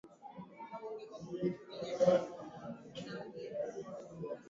magharibi ya milki yake akauita Sankt Peterburg Tangu wakati wa